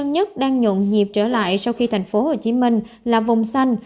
nhất đang nhộn nhịp trở lại sau khi tp hcm là vùng xanh